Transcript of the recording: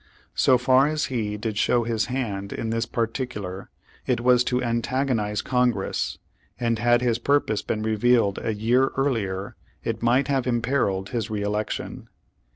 So far as he did show his hand in this particular it was to antagonize Congress, and had his purpose been revealed a year earlier it might have imperiled his re election.